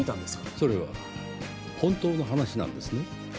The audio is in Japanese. それは本当の話なんですね？